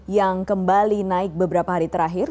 yang kembali naik beberapa hari terakhir